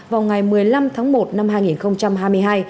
vào ngày một mươi năm tháng một năm hai nghìn hai mươi hai